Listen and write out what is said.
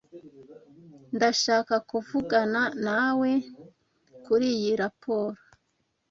Ndashaka kuvugana nawe kuriyi raporo.